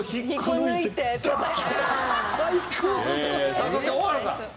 さあそして大原さん。